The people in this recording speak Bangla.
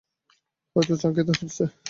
হয়তো চা খেতে গেছে।